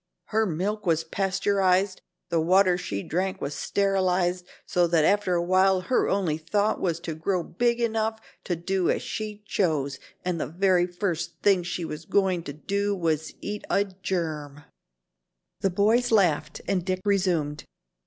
Her milk was pasteurized, the water she drank was sterilized, so that after a while her only thought was to grow big enough to do as she chose and the very first thing she was going to do was to eat a germ." The boys laughed and Dick resumed.